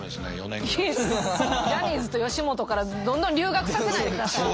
ジャニーズと吉本からどんどん留学させないでください。